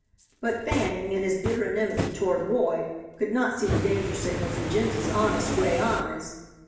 But Fanning, in his bitter enmity toward Roy, could not see the danger signals in Jimsy's honest gray eyes.